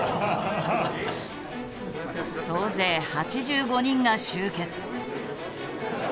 総勢８５人が集結。